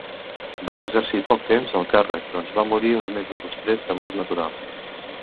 Va exercir poc temps el càrrec doncs va morir uns mesos després de mort natural.